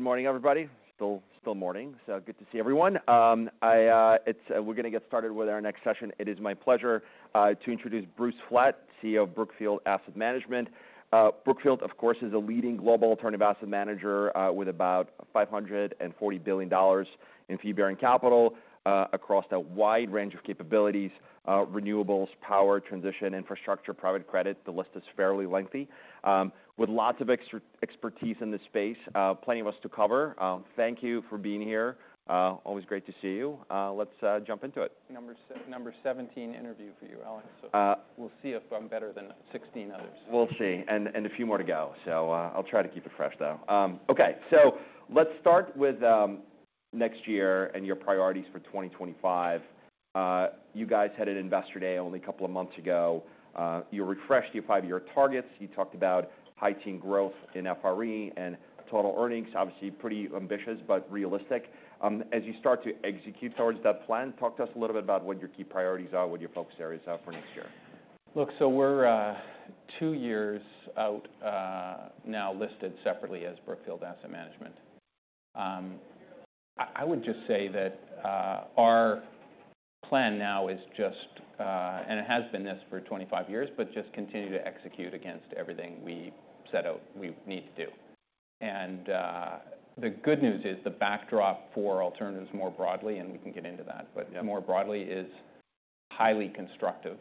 Good morning, everybody. Still morning, so good to see everyone. It's, we're gonna get started with our next session. It is my pleasure to introduce Bruce Flatt, CEO of Brookfield Asset Management. Brookfield, of course, is a leading global alternative asset manager, with about $540 billion in fee-bearing capital, across a wide range of capabilities, renewables, power, transition, infrastructure, private credit. The list is fairly lengthy, with lots of expertise in this space, plenty of us to cover. Thank you for being here. Always great to see you. Let's jump into it. Number seventeen interview for you, Alex. We'll see if I'm better than 16 others. We'll see. And a few more to go. So, I'll try to keep it fresh, though. Okay. So let's start with next year and your priorities for 2025. You guys had Investor Day only a couple of months ago. You refreshed your five-year targets. You talked about high-teens growth in FRE and total earnings, obviously pretty ambitious but realistic. As you start to execute towards that plan, talk to us a little bit about what your key priorities are, what your focus areas are for next year. Look, so we're two years out, now listed separately as Brookfield Asset Management. I would just say that our plan now is just, and it has been this for 25 years, but just continue to execute against everything we set out we need to do. The good news is the backdrop for alternatives more broadly, and we can get into that, but more broadly is highly constructive.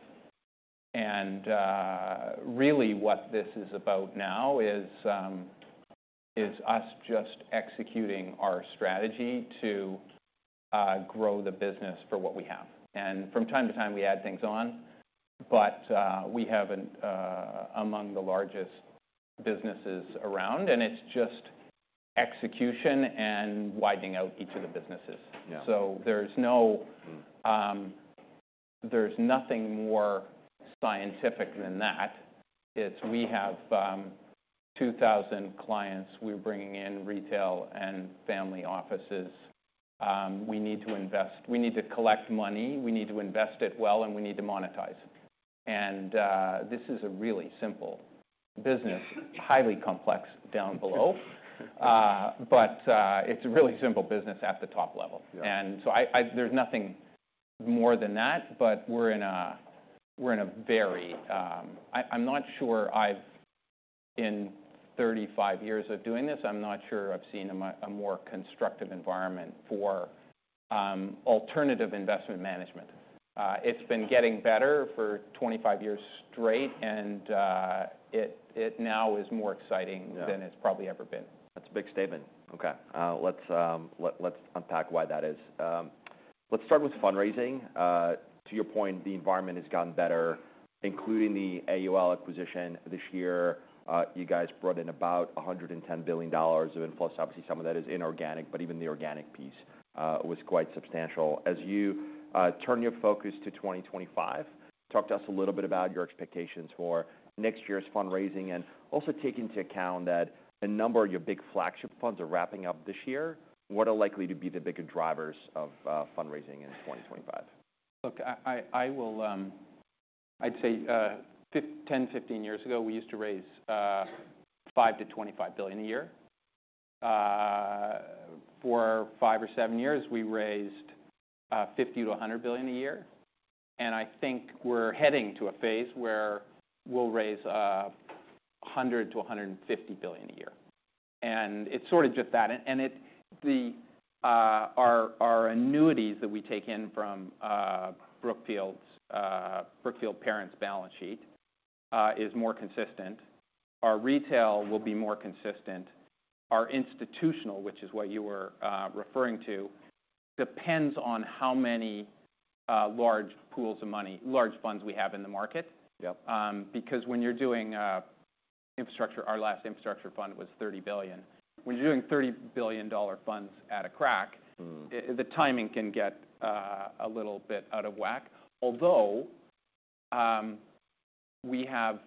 Really what this is about now is us just executing our strategy to grow the business for what we have. From time to time, we add things on, but we have among the largest businesses around, and it's just execution and widening out each of the businesses. Yeah. There's no, there's nothing more scientific than that. It's we have 2,000 clients. We're bringing in retail and family offices. We need to invest. We need to collect money. We need to invest it well, and we need to monetize it. This is a really simple business, highly complex down below. But it's a really simple business at the top level. And so there's nothing more than that, but we're in a very, in 35 years of doing this, I'm not sure I've seen a more constructive environment for alternative investment management. It's been getting better for 25 years straight, and it now is more exciting than it's probably ever been. Yeah. That's a big statement. Okay. Let's unpack why that is. Let's start with fundraising. To your point, the environment has gotten better, including the AEL acquisition this year. You guys brought in about $110 billion of inflows. Obviously, some of that is inorganic, but even the organic piece was quite substantial. As you turn your focus to 2025, talk to us a little bit about your expectations for next year's fundraising and also take into account that a number of your big flagship funds are wrapping up this year. What are likely to be the bigger drivers of fundraising in 2025? Look, I will. I'd say 10-15 years ago, we used to raise $5 billion-$25 billion a year. For 5 or 7 years, we raised $50 billion-$100 billion a year. And I think we're heading to a phase where we'll raise $100 billion-$150 billion a year. And it's sort of just that. And the our annuities that we take in from Brookfield's Brookfield Parent's balance sheet is more consistent. Our retail will be more consistent. Our institutional, which is what you were referring to, depends on how many large pools of money, large funds we have in the market. Yep. because when you're doing infrastructure, our last infrastructure fund was $30 billion. When you're doing $30 billion funds at a crack, it the timing can get a little bit out of whack. Although we have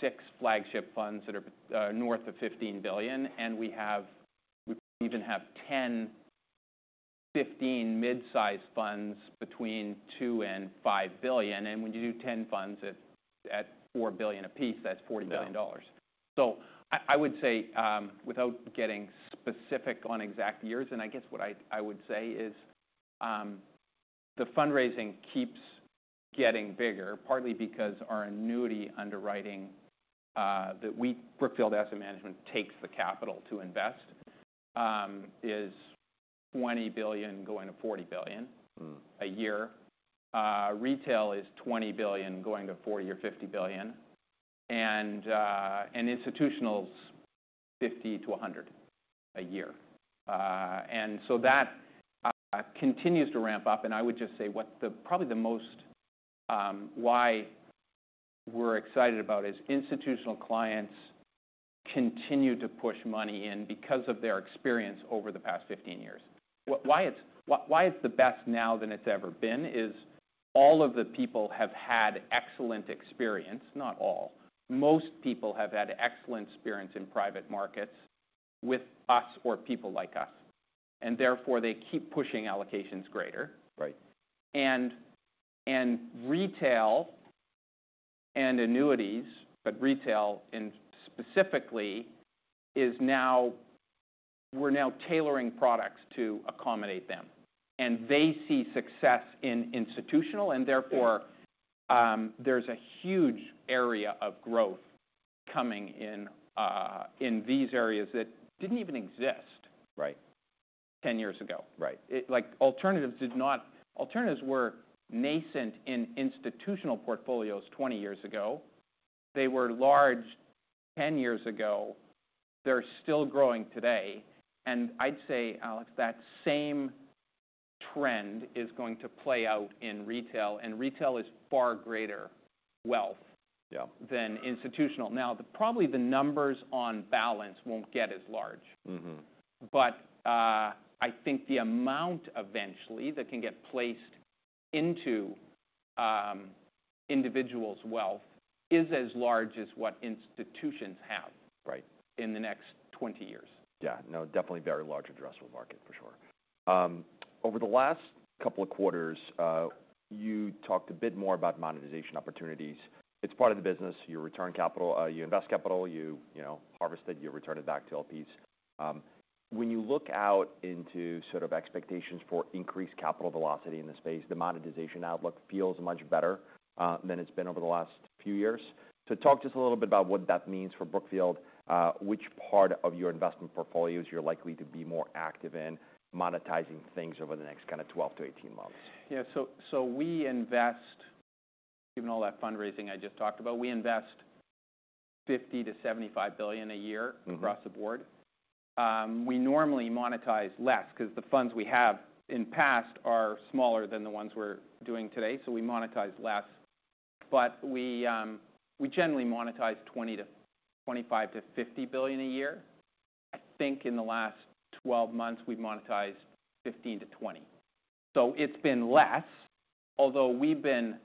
six flagship funds that are north of $15 billion, and we even have 10-15 mid-sized funds between $2 billion and $5 billion. And when you do 10 funds at $4 billion a piece, that's $40 billion. So I would say, without getting specific on exact years, and I guess what I would say is, the fundraising keeps getting bigger, partly because our annuity underwriting, that we Brookfield Asset Management takes the capital to invest, is $20 billion going to $40 billion a year. Retail is $20 billion going to $40 billion or $50 billion. And institutional's $50 billion-$100 billion a year. And so that continues to ramp up. And I would just say what probably the most, why we're excited about is institutional clients continue to push money in because of their experience over the past 15 years. Why it's the best now than it's ever been is all of the people have had excellent experience, not all. Most people have had excellent experience in private markets with us or people like us. And therefore, they keep pushing allocations greater. Right. And retail and annuities, but retail in specifically, is now we're tailoring products to accommodate them. And they see success in institutional, and therefore there's a huge area of growth coming in these areas that didn't even exist. Right. 10 years ago. Right. It, like, alternatives were nascent in institutional portfolios 20 years ago. They were large 10 years ago. They're still growing today, and I'd say, Alex, that same trend is going to play out in retail, and retail is far greater wealth. Yeah. Than institutional. Now, probably the numbers on balance won't get as large. Mm-hmm. But I think the amount eventually that can get placed into individuals' wealth is as large as what institutions have in the next 20 years. Yeah. No, definitely very large addressable market, for sure. Over the last couple of quarters, you talked a bit more about monetization opportunities. It's part of the business. You return capital. You invest capital. You know, harvest it. You return it back to LPs. When you look out into sort of expectations for increased capital velocity in this space, the monetization outlook feels much better than it's been over the last few years. So talk just a little bit about what that means for Brookfield, which part of your investment portfolios you're likely to be more active in monetizing things over the next kinda 12 to 18 months. Yeah. So we invest, given all that fundraising I just talked about, we invest $50 billion-$75 billion a year across the board. We normally monetize less 'cause the funds we have in past are smaller than the ones we're doing today. So we monetize less. But we, we generally monetize $20 billion-$25 billion-$50 billion a year. I think in the last 12 months, we've monetized $15 billion-$20 billion. So it's been less, although we've been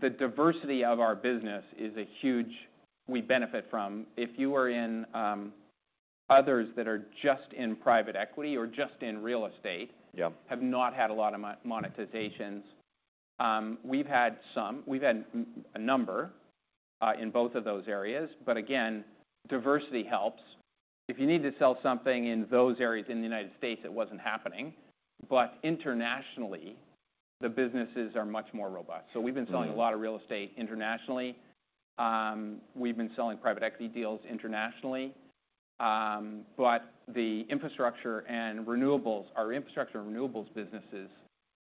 the diversity of our business is a huge we benefit from. If you are in, others that are just in private equity or just in real estate have not had a lot of monetizations. We've had some. We've had a number, in both of those areas, but again, diversity helps. If you need to sell something in those areas in the United States, it wasn't happening, but internationally, the businesses are much more robust. So we've been selling a lot of real estate internationally. We've been selling private equity deals internationally. But our infrastructure and renewables businesses,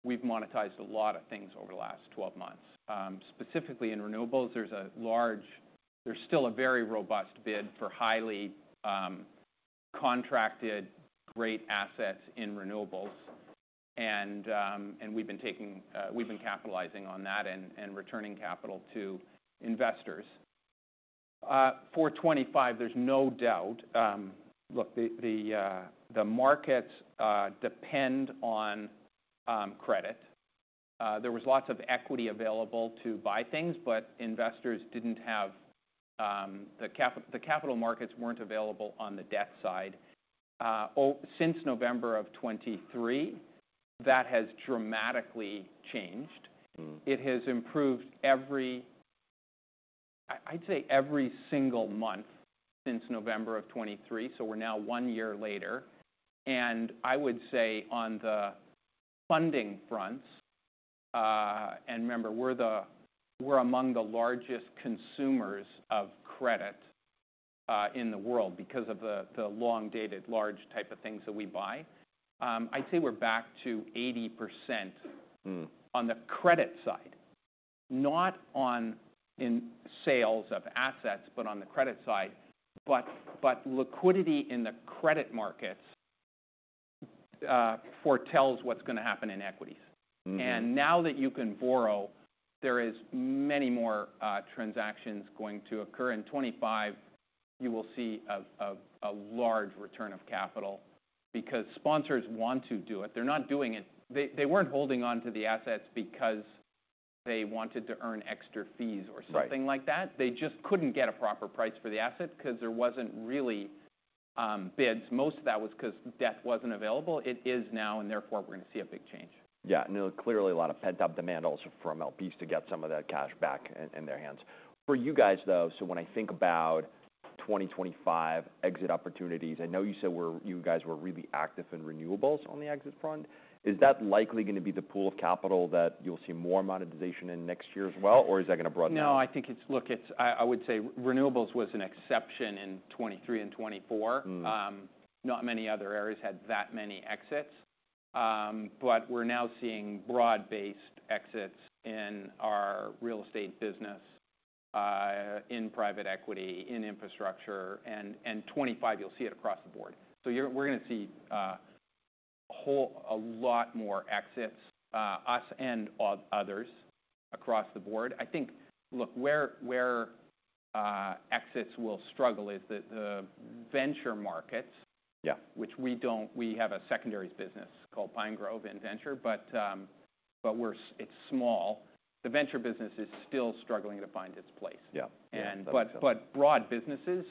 we've monetized a lot of things over the last 12 months. Specifically in renewables, there's still a very robust bid for highly contracted great assets in renewables. And we've been capitalizing on that and returning capital to investors. For 2025, there's no doubt. Look, the markets depend on credit. There was lots of equity available to buy things, but the capital markets weren't available on the debt side. So since November of 2023, that has dramatically changed. It has improved. I'd say every single month since November of 2023. So we're now one year later. I would say on the funding fronts, and remember, we're among the largest consumers of credit in the world because of the long-dated, large type of things that we buy. I'd say we're back to 80%. On the credit side, not on in sales of assets, but on the credit side. Liquidity in the credit markets foretells what's gonna happen in equities. Mm-hmm. Now that you can borrow, there is many more transactions going to occur. In 2025, you will see a large return of capital because sponsors want to do it. They're not doing it. They weren't holding onto the assets because they wanted to earn extra fees or something like that. Right. They just couldn't get a proper price for the asset 'cause there wasn't really bids. Most of that was 'cause debt wasn't available. It is now, and therefore, we're gonna see a big change. Yeah. And clearly, a lot of pent-up demand also from LPs to get some of that cash back in their hands. For you guys, though, so when I think about 2025 exit opportunities, I know you said you guys were really active in renewables on the exit front. Is that likely gonna be the pool of capital that you'll see more monetization in next year as well, or is that gonna broaden out? No, I think it's, look, I would say renewables was an exception in 2023 and 2024. Not many other areas had that many exits, but we're now seeing broad-based exits in our real estate business, in private equity, in infrastructure. And 2025, you'll see it across the board. So we're gonna see a whole lot more exits, us and others across the board. I think, look, where exits will struggle is the venture markets. Yeah. Which we don't. We have a secondary business called Pinegrove in venture, but we're, it's small. The venture business is still struggling to find its place. Yeah. Broad businesses,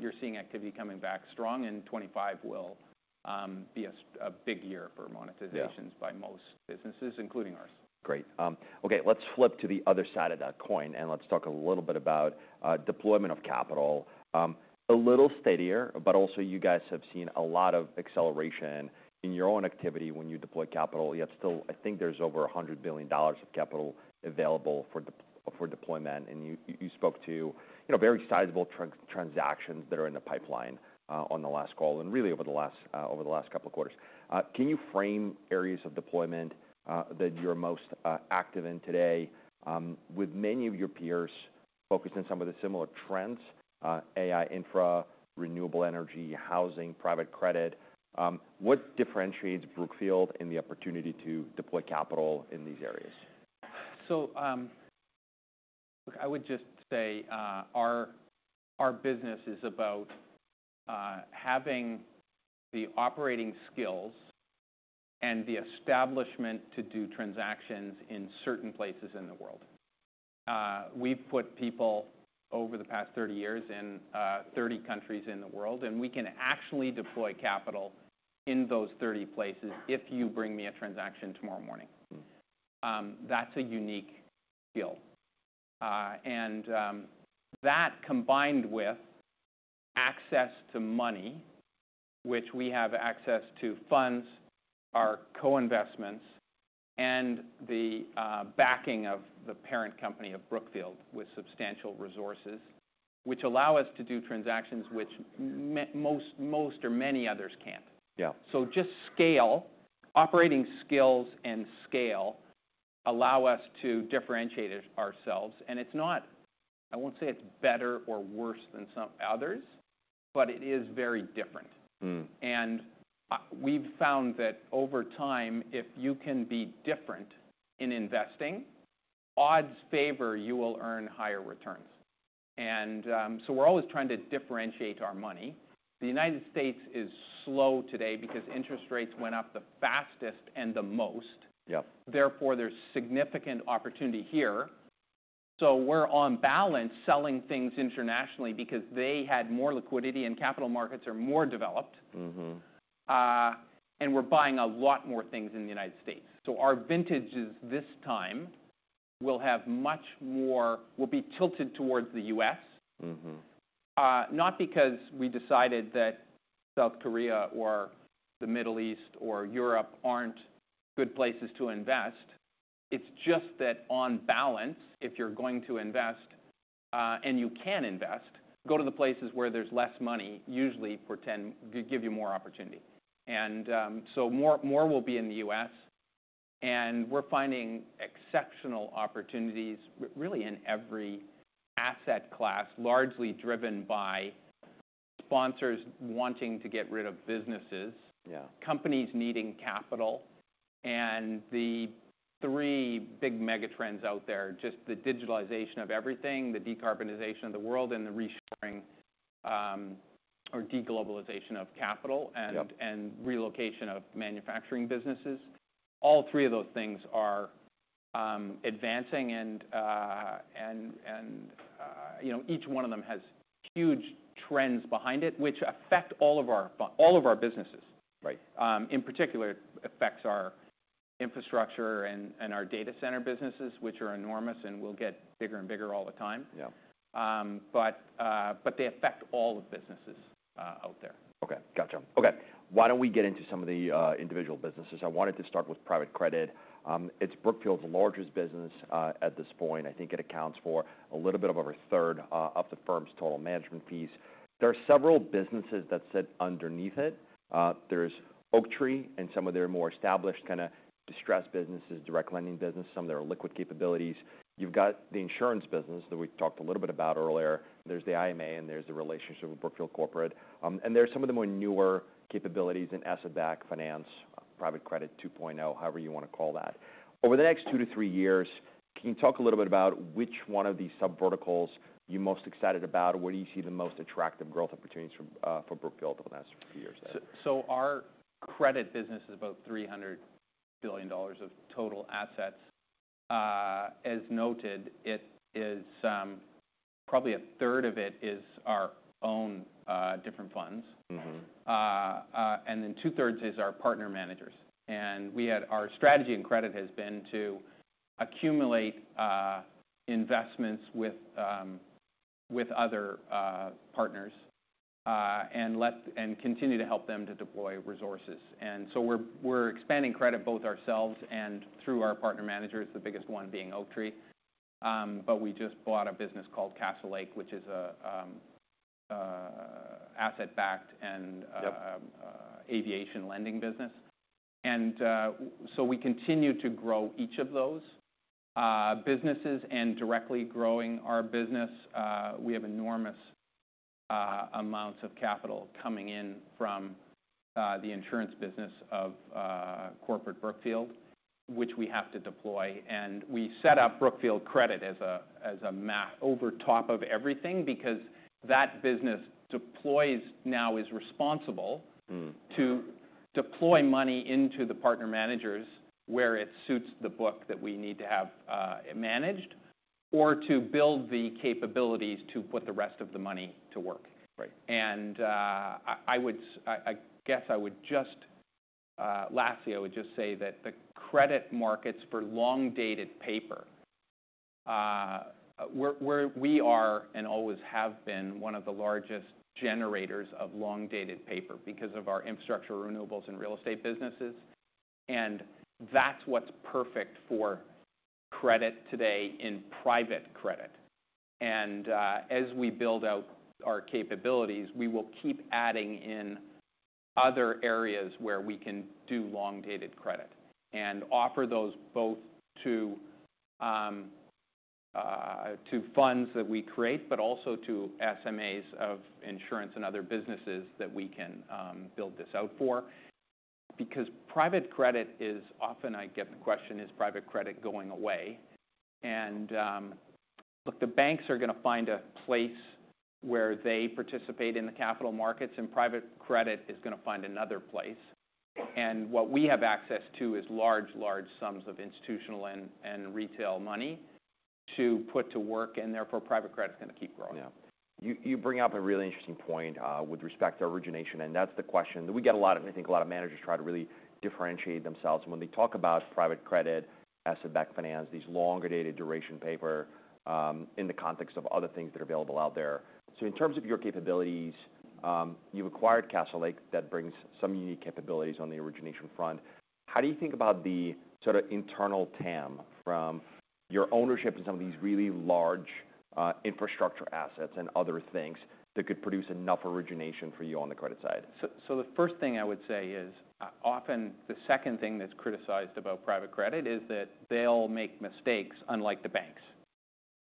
you're seeing activity coming back strong. 2025 will be a big year for monetizations by most businesses, including ours. Great. Okay. Let's flip to the other side of that coin, and let's talk a little bit about deployment of capital. A little steadier, but also you guys have seen a lot of acceleration in your own activity when you deploy capital. You have still I think there's over $100 billion of capital available for deployment. And you spoke to, you know, very sizable transactions that are in the pipeline, on the last call and really over the last couple of quarters. Can you frame areas of deployment that you're most active in today, with many of your peers focused on some of the similar trends, AI, infra, renewable energy, housing, private credit? What differentiates Brookfield in the opportunity to deploy capital in these areas? Look, I would just say our business is about having the operating skills and the establishment to do transactions in certain places in the world. We've put people over the past 30 years in 30 countries in the world, and we can actually deploy capital in those 30 places if you bring me a transaction tomorrow morning. That's a unique skill. That combined with access to money, which we have access to funds, our co-investments, and the backing of the parent company of Brookfield with substantial resources, which allow us to do transactions which most or many others can't. Yeah. So just scale operating skills and scale allow us to differentiate ourselves. And it's not I won't say it's better or worse than some others, but it is very different. And we've found that over time, if you can be different in investing, odds favor you will earn higher returns. And so we're always trying to differentiate our money. The United States is slow today because interest rates went up the fastest and the most. Yep. Therefore, there's significant opportunity here, so we're on balance selling things internationally because they had more liquidity, and capital markets are more developed. Mm-hmm. and we're buying a lot more things in the United States. So our vintages this time will be much more tilted towards the U.S. Mm-hmm. not because we decided that South Korea or the Middle East or Europe aren't good places to invest. It's just that on balance, if you're going to invest, and you can invest, go to the places where there's less money, usually give you more opportunity. And so more will be in the U.S. And we're finding exceptional opportunities really in every asset class, largely driven by sponsors wanting to get rid of businesses. Yeah. Companies needing capital, and the three big megatrends out there are just the digitalization of everything, the decarbonization of the world, and the reshoring, or deglobalization of capital and relocation of manufacturing businesses. All three of those things are advancing, you know, each one of them has huge trends behind it, which affect all of our businesses. Right. In particular, it affects our infrastructure and our data center businesses, which are enormous and will get bigger and bigger all the time. Yeah. But they affect all of businesses out there. Okay. Gotcha. Okay. Why don't we get into some of the individual businesses? I wanted to start with private credit. It's Brookfield's largest business, at this point. I think it accounts for a little bit over a third of the firm's total management fees. There are several businesses that sit underneath it. There's Oaktree and some of their more established kinda distressed businesses, direct lending business, some of their liquid capabilities. You've got the insurance business that we talked a little bit about earlier. There's the IMA, and there's the relationship with Brookfield Corporation. And there's some of the more newer capabilities in asset-backed finance, private credit 2.0, however you wanna call that. Over the next two to three years, can you talk a little bit about which one of these sub-verticals you're most excited about? Where do you see the most attractive growth opportunities for Brookfield over the next few years? So our credit business is about $300 billion of total assets. As noted, it is probably a third of it is our own different funds. Mm-hmm. and then two-thirds is our partner managers. And we had our strategy in credit has been to accumulate investments with other partners, and let and continue to help them to deploy resources. And so we're expanding credit both ourselves and through our partner managers, the biggest one being Oaktree. But we just bought a business called Castlelake, which is an asset-backed and aviation lending business. So we continue to grow each of those businesses and directly growing our business. We have enormous amounts of capital coming in from the insurance business of corporate Brookfield, which we have to deploy. We set up Brookfield Credit as a main over top of everything because that business deploys. Now is responsible to deploy money into the partner managers where it suits the book that we need to have managed or to build the capabilities to put the rest of the money to work. Right. And I guess I would just lastly say that the credit markets for long-dated paper, where we are and always have been one of the largest generators of long-dated paper because of our infrastructure, renewables, and real estate businesses. And that's what's perfect for credit today in private credit. And as we build out our capabilities, we will keep adding in other areas where we can do long-dated credit and offer those both to funds that we create, but also to SMAs of insurance and other businesses that we can build this out for. Because private credit is often, I get the question, is private credit going away? And look, the banks are gonna find a place where they participate in the capital markets, and private credit is gonna find another place. And what we have access to is large, large sums of institutional and retail money to put to work, and therefore, private credit's gonna keep growing. Yeah. You bring up a really interesting point, with respect to origination. And that's the question that we get a lot of, and I think a lot of managers try to really differentiate themselves when they talk about private credit, asset-backed finance, these longer-dated duration paper, in the context of other things that are available out there. So in terms of your capabilities, you've acquired Castlelake that brings some unique capabilities on the origination front. How do you think about the sort of internal TAM from your ownership in some of these really large, infrastructure assets and other things that could produce enough origination for you on the credit side? So, the first thing I would say is, often the second thing that's criticized about private credit is that they'll make mistakes, unlike the banks.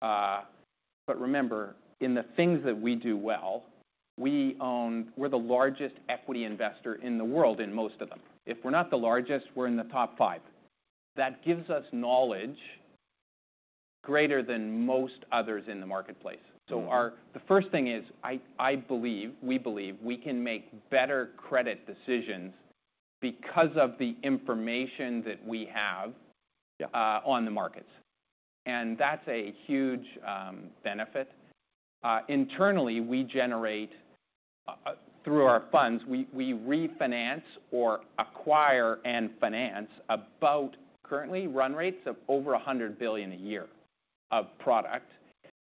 But remember, in the things that we do well, we own, we're the largest equity investor in the world in most of them. If we're not the largest, we're in the top five. That gives us knowledge greater than most others in the marketplace. Mm-hmm. The first thing is, I believe we can make better credit decisions because of the information that we have. Yeah. On the markets, and that's a huge benefit. Internally, we generate through our funds we refinance or acquire and finance about current run rates of over $100 billion a year of product,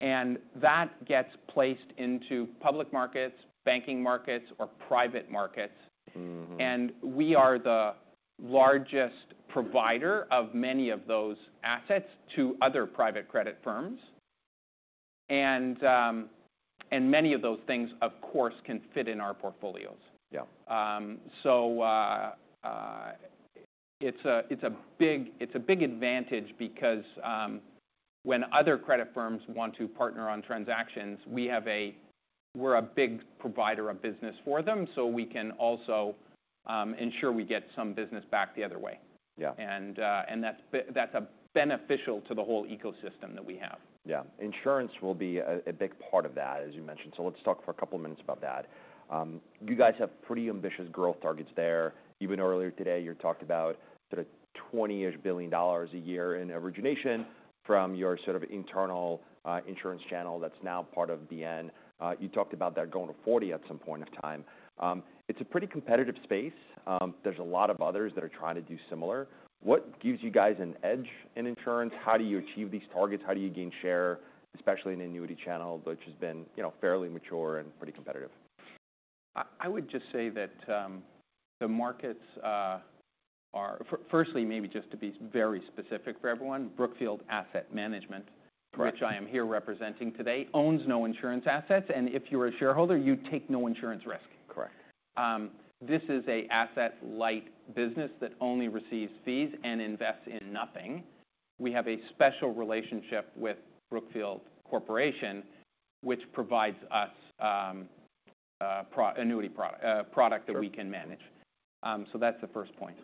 and that gets placed into public markets, banking markets, or private markets. Mm-hmm. And we are the largest provider of many of those assets to other private credit firms. And many of those things, of course, can fit in our portfolios. Yeah. So, it's a big advantage because when other credit firms want to partner on transactions, we're a big provider of business for them, so we can also ensure we get some business back the other way. Yeah. And that's beneficial to the whole ecosystem that we have. Yeah. Insurance will be a big part of that, as you mentioned. So let's talk for a couple of minutes about that. You guys have pretty ambitious growth targets there. Even earlier today, you talked about sort of $20 billion a year in origination from your sort of internal insurance channel that's now part of BN. You talked about that going to $40 billion at some point of time. It's a pretty competitive space. There's a lot of others that are trying to do similar. What gives you guys an edge in insurance? How do you achieve these targets? How do you gain share, especially in an annuity channel, which has been, you know, fairly mature and pretty competitive? I would just say that the markets are firstly, maybe just to be very specific for everyone, Brookfield Asset Management. Correct. Which I am here representing today, owns no insurance assets. And if you're a shareholder, you take no insurance risk. Correct. This is an asset-light business that only receives fees and invests in nothing. We have a special relationship with Brookfield Corporation, which provides us proprietary annuity product that we can manage. So that's the first point.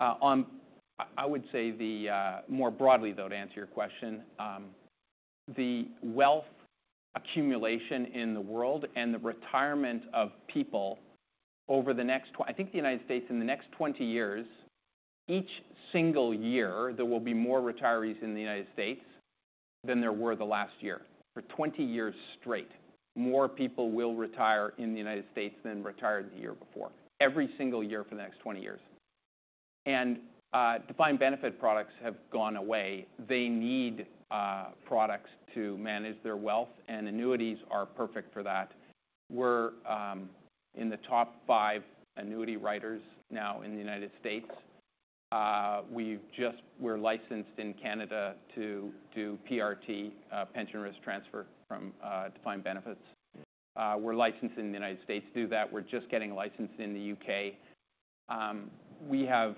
I would say, more broadly, though, to answer your question, the wealth accumulation in the world and the retirement of people over the next twenty. I think in the United States, in the next 20 years, each single year, there will be more retirees in the United States than there were the last year. For 20 years straight, more people will retire in the United States than retired the year before, every single year for the next 20 years, and defined benefit products have gone away. They need products to manage their wealth, and annuities are perfect for that. We're in the top five annuity writers now in the United States. We've just, we're licensed in Canada to do PRT, pension risk transfer from defined benefits. Mm-hmm. We're licensed in the United States to do that. We're just getting licensed in the U.K. We have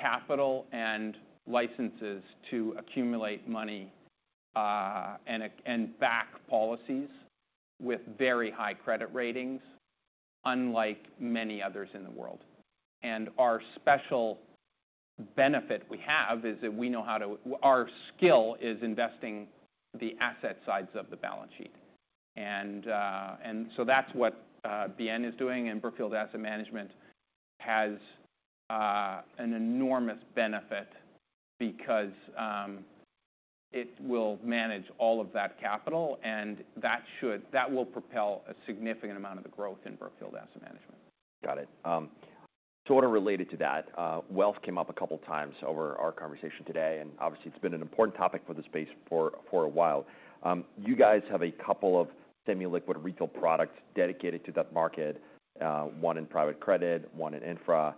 capital and licenses to accumulate money, and back policies with very high credit ratings, unlike many others in the world. And our special benefit we have is that we know how to, our skill is investing the asset sides of the balance sheet. And so that's what BN is doing. And Brookfield Asset Management has an enormous benefit because it will manage all of that capital, and that will propel a significant amount of the growth in Brookfield Asset Management. Got it. Sort of related to that, wealth came up a couple of times over our conversation today, and obviously, it's been an important topic for the space for a while. You guys have a couple of semi-liquid retail products dedicated to that market, one in private credit, one in infra.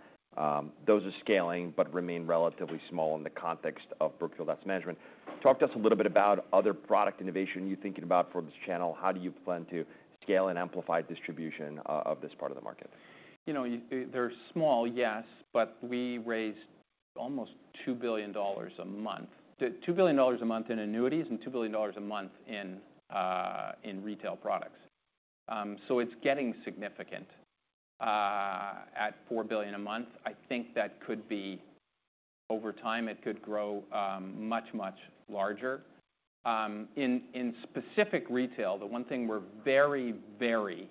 Those are scaling but remain relatively small in the context of Brookfield Asset Management. Talk to us a little bit about other product innovation you're thinking about for this channel. How do you plan to scale and amplify distribution of this part of the market? You know, they're small, yes, but we raised almost $2 billion a month, the $2 billion a month in annuities and $2 billion a month in retail products. So it's getting significant. At $4 billion a month, I think that could be over time, it could grow much, much larger. In specific retail, the one thing we're very, very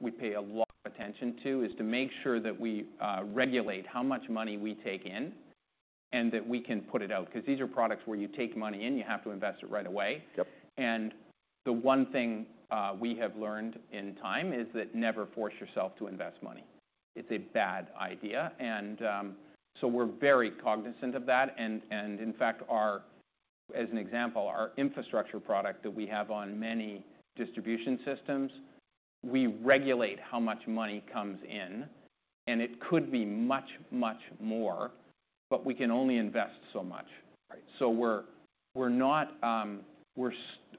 we pay a lot of attention to is to make sure that we regulate how much money we take in and that we can put it out. Because these are products where you take money in, you have to invest it right away. Yep. The one thing we have learned in time is that never force yourself to invest money. It's a bad idea. And so we're very cognizant of that. And in fact, as an example, our infrastructure product that we have on many distribution systems, we regulate how much money comes in, and it could be much, much more, but we can only invest so much. Right. So we're not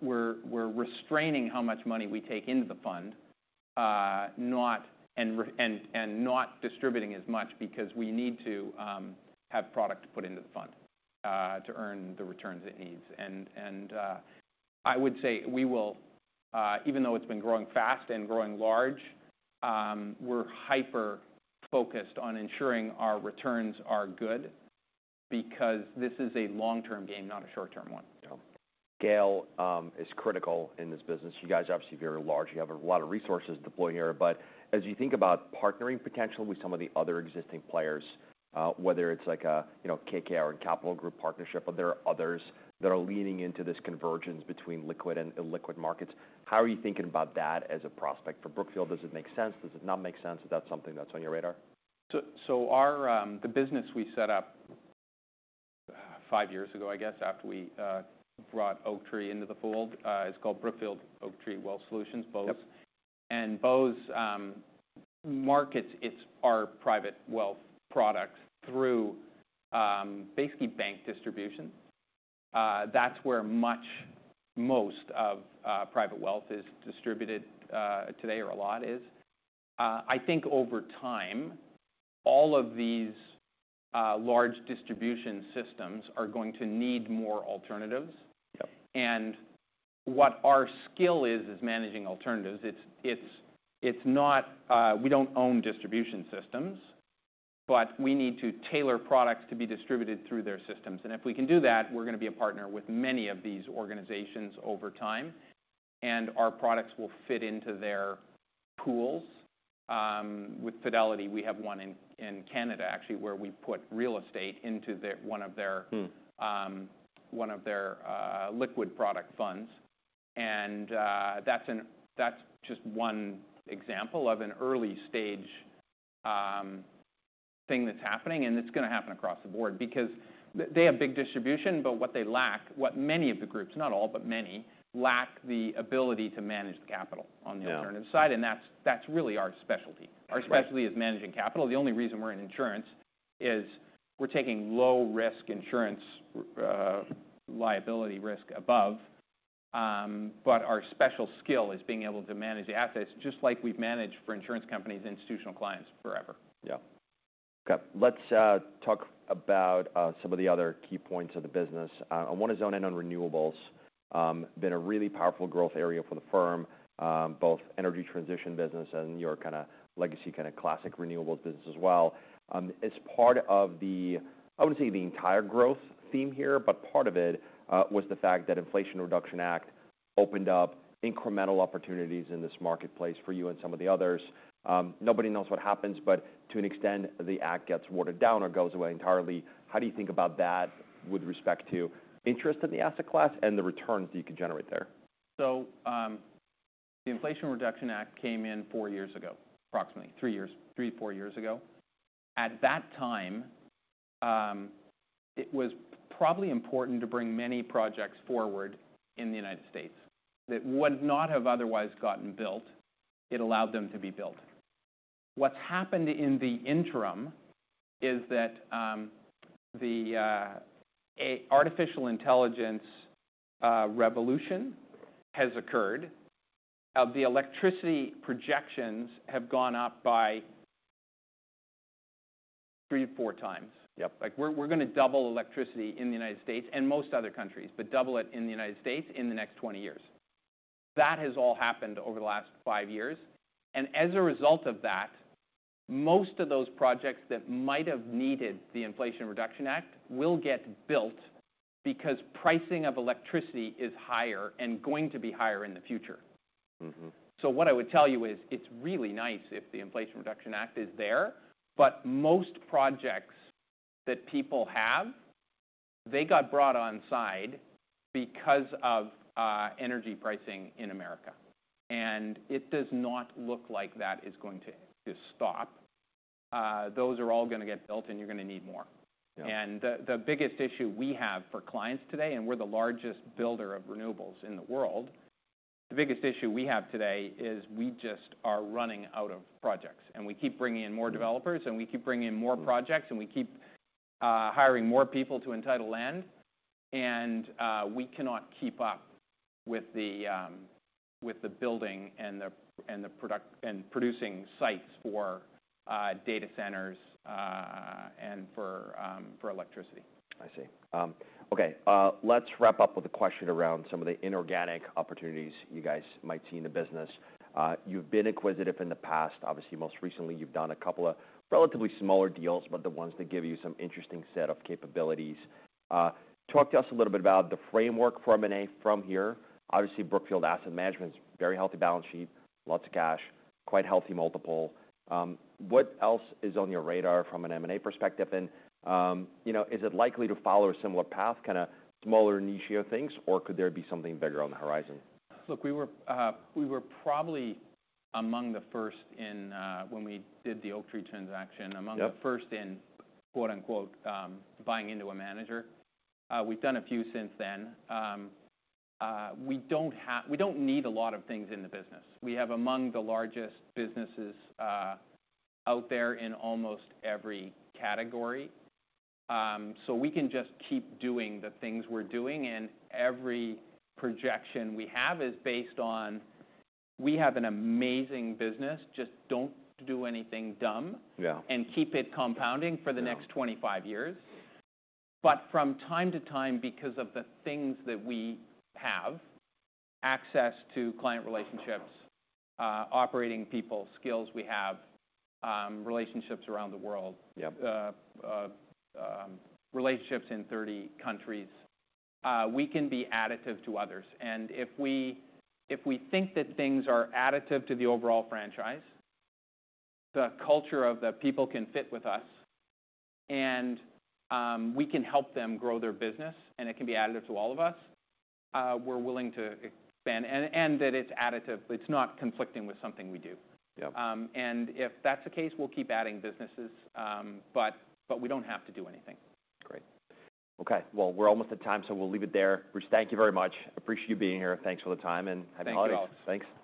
restraining how much money we take into the fund and not distributing as much because we need to have product put into the fund to earn the returns it needs. And I would say we will, even though it's been growing fast and growing large, we're hyper-focused on ensuring our returns are good because this is a long-term game, not a short-term one. Yep. Scale is critical in this business. You guys are obviously very large. You have a lot of resources deployed here. But as you think about partnering potentially with some of the other existing players, whether it's like a, you know, KKR and Capital Group partnership, or there are others that are leaning into this convergence between liquid and illiquid markets, how are you thinking about that as a prospect for Brookfield? Does it make sense? Does it not make sense? Is that something that's on your radar? The business we set up five years ago, I guess, after we brought Oaktree into the fold, is called Brookfield Oaktree Wealth Solutions, BOWS. BOWS markets our private wealth products through basically bank distribution. That's where most of private wealth is distributed today. A lot is. I think over time, all of these large distribution systems are going to need more alternatives. Yep. And what our skill is managing alternatives. It's not, we don't own distribution systems, but we need to tailor products to be distributed through their systems. And if we can do that, we're gonna be a partner with many of these organizations over time, and our products will fit into their pools. With Fidelity, we have one in Canada, actually, where we put real estate into one of their liquid product funds. And that's just one example of an early stage thing that's happening, and it's gonna happen across the board because they have big distribution, but what they lack, what many of the groups, not all, but many, lack the ability to manage the capital on the alternative side. That's really our specialty. Our specialty is managing capital. The only reason we're in insurance is we're taking low-risk insurance, liability risk above. But our special skill is being able to manage assets just like we've managed for insurance companies and institutional clients forever. Yeah. Okay. Let's talk about some of the other key points of the business. I wanna zone in on renewables. Been a really powerful growth area for the firm, both energy transition business and your kinda legacy, kinda classic renewables business as well. As part of the, I wouldn't say the entire growth theme here, but part of it, was the fact that Inflation Reduction Act opened up incremental opportunities in this marketplace for you and some of the others. Nobody knows what happens, but to an extent, the act gets watered down or goes away entirely. How do you think about that with respect to interest in the asset class and the returns that you could generate there? The Inflation Reduction Act came in four years ago, approximately three years, three to four years ago. At that time, it was probably important to bring many projects forward in the United States that would not have otherwise gotten built. It allowed them to be built. What's happened in the interim is that an artificial intelligence revolution has occurred. The electricity projections have gone up by three to four times. Yep. Like, we're gonna double electricity in the United States and most other countries, but double it in the United States in the next 20 years. That has all happened over the last five years. And as a result of that, most of those projects that might have needed the Inflation Reduction Act will get built because pricing of electricity is higher and going to be higher in the future. Mm-hmm. So what I would tell you is it's really nice if the Inflation Reduction Act is there, but most projects that people have, they got brought onside because of energy pricing in America. And it does not look like that is going to stop. Those are all gonna get built, and you're gonna need more. Yeah. And the biggest issue we have for clients today, and we're the largest builder of renewables in the world. The biggest issue we have today is we just are running out of projects. And we keep bringing in more developers, and we keep bringing in more projects, and we keep hiring more people to entitle land. And we cannot keep up with the building and the producing sites for data centers and for electricity. I see. Okay. Let's wrap up with a question around some of the inorganic opportunities you guys might see in the business. You've been acquisitive in the past. Obviously, most recently, you've done a couple of relatively smaller deals, but the ones that give you some interesting set of capabilities. Talk to us a little bit about the framework for M&A from here. Obviously, Brookfield Asset Management's very healthy balance sheet, lots of cash, quite healthy multiple. What else is on your radar from an M&A perspective? and, you know, is it likely to follow a similar path, kinda smaller and nichier things, or could there be something bigger on the horizon? Look, we were probably among the first in, when we did the Oaktree transaction, among the first in, "buying into a manager." We've done a few since then. We don't need a lot of things in the business. We have among the largest businesses, out there in almost every category, so we can just keep doing the things we're doing, and every projection we have is based on, "We have an amazing business. Just don't do anything dumb. Yeah. And keep it compounding for the next 25 years, but from time to time, because of the things that we have: access to client relationships, operating people, skills we have, relationships around the world. Yep. Relationships in 30 countries, we can be additive to others. And if we think that things are additive to the overall franchise, the culture of the people can fit with us, and we can help them grow their business, and it can be additive to all of us, we're willing to expand. And that it's additive. It's not conflicting with something we do. Yep. And if that's the case, we'll keep adding businesses, but we don't have to do anything. Great. Okay. Well, we're almost at time, so we'll leave it there. Bruce, thank you very much. Appreciate you being here. Thanks for the time and having a holiday. Thanks, Alex. Thanks.